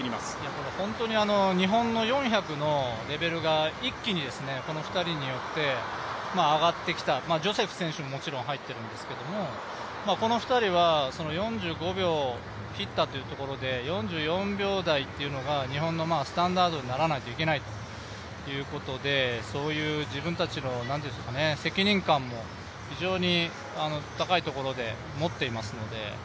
これ本当に日本の４００のレベルが一気にこの２人によって上がってきたジョセフ選手ももちろん入ってるんですけれども、この２人は４５秒を切ったというところで、４４秒台というところが日本のスタンダードにならないといけないということで、そういう自分たちの責任感も非常に高いところで持っていますので。